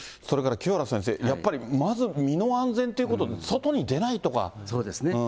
それから清原先生、まず身の安全ということで、外に出ないとそうですね。